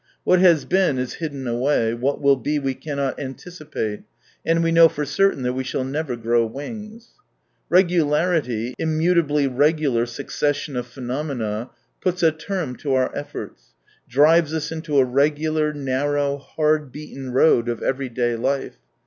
What has been is hidden away, what will be we cannot anticipate, and we know for certain that we shall never grow wings. Regularity, imttiutably regular succession of phenomena puts a term to ouj efforts, drives us into a regular, narrow, hard beaten road of everyday life.